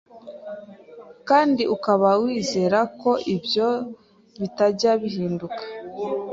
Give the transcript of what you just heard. kandi ukaba wizera ko ibyo bitajya bihinduka